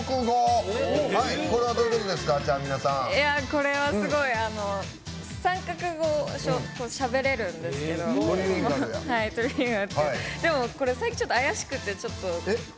これは３か国語をしゃべれるんですけどでも、最近ちょっと怪しくて。